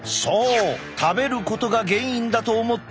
食べることが原因だと思っている人が多い。